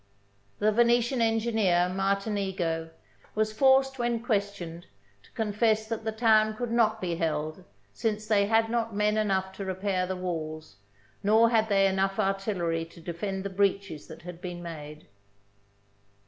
The Venetian engineer, Martinigo, was forced when questioned to confess that the town could not be held, since they had not men enough to repair the walls, nor had they enough artillery to defend the breaches that had been made.